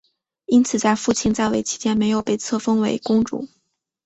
因此在父亲在位期间没有被册封为公主。